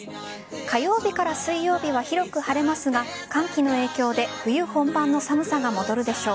火曜日から水曜日は広く晴れますが寒気の影響で冬本番の寒さが戻るでしょう。